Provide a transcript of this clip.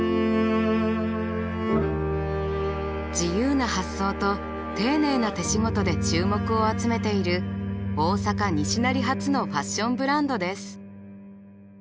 自由な発想と丁寧な手仕事で注目を集めている大阪西成発のファッションブランドです。